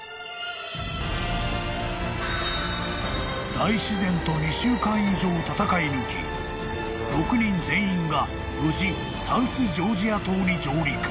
［大自然と２週間以上闘い抜き６人全員が無事サウスジョージア島に上陸］